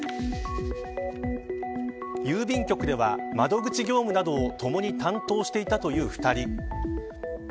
郵便局では窓口業務などを共に担当していたという２人。